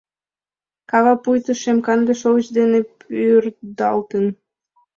Кава пуйто шем-канде шовыч дене пӱрдалтын.